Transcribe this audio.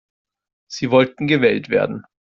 Sie wollten gewählt werden.